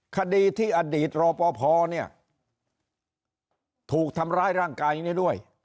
คดีที่อดีตรอปภเนี่ยถูกทำร้ายร่างกายนี้ด้วย